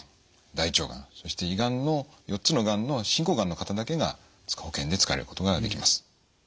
そして胃がんの４つのがんの進行がんの方だけが保険で使われることができます。